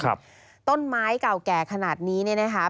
คุณต้นไม้เก่าขนาดนี้นะคะ